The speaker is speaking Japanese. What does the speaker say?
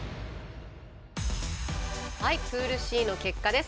プールＣの結果です。